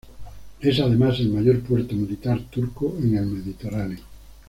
Es además el mayor puerto militar turco en el Mediterráneo.